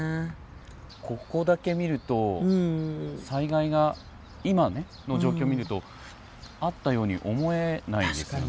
ここだけ見ると災害が今の状況見るとあったように思えないですね。